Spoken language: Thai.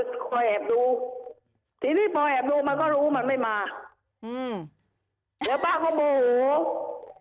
พอแอบดูทีนี้พอแอบดูมันก็รู้มันไม่มาอืมเดี๋ยวป้าก็โหม่หูค่ะ